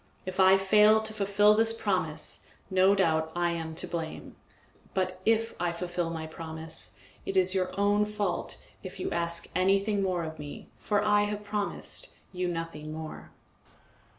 If I fail to fulfil this promise, no doubt I am to blame; but if I fulfil my promise, it is your own fault if you ask anything more of me, for I have promised you nothing more.